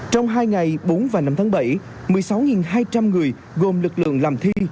trong hai ngày bốn và năm tháng bảy một mươi sáu hai trăm linh người gồm lực lượng làm thi